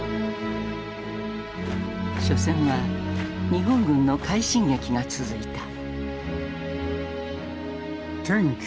緒戦は日本軍の快進撃が続いた。